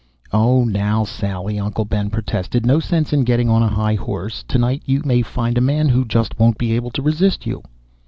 "Oh, now, Sally," Uncle Ben protested. "No sense in getting on a high horse. Tonight you may find a man who just won't be able to resist you."